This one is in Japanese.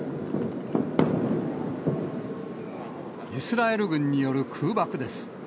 イスラエル軍による空爆です。